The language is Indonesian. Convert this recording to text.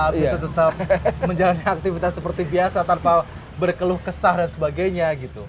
bisa tetap menjalani aktivitas seperti biasa tanpa berkeluh kesah dan sebagainya gitu